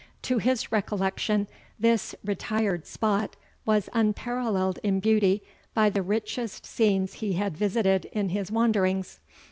To his recollection, this retired spot was unparalleled in beauty by the richest scenes he had visited in his wanderings.